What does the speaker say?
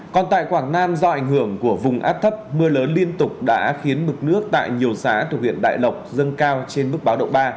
còn tại quảng nam do ảnh hưởng của vùng áp thấp mưa lớn liên tục đã khiến mực nước tại nhiều xã thuộc huyện đại lộc dâng cao trên mức báo động ba